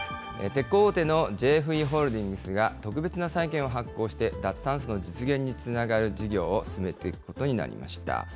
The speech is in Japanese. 鉄鋼大手のＪＦＥホールディングスが、特別な債券を発行して、脱炭素の実現につながる事業を進めていくことになりました。